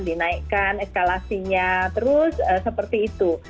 dinaikkan eskalasinya terus seperti itu